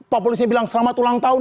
pak polisi bilang selamat ulang tahun